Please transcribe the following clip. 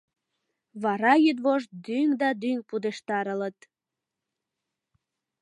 Вара йӱдвошт дӱҥ да дӱҥ пудештарылыт.